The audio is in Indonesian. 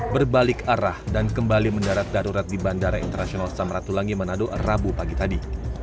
berbalik arah dan kembali mendarat darurat di bandara internasional samratulangi manado rabu pagi tadi